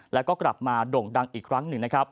แล้วก็กลับมาโด่งดังอีกครั้งหนึ่งนะครับ